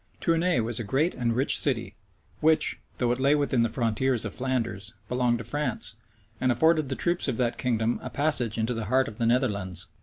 Tournay was a great and rich city, which, though it lay within the frontiers of Flanders, belonged to France, and afforded the troops of that kingdom a passage into the heart of the Netherlands.